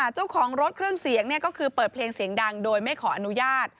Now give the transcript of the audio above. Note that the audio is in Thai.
เจ้าของรถเครื่องเสียงก็คือเปิดเพลงเสียงดังโดยไม่ขออนุญาต